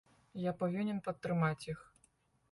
Я павінен падтрымаць іх.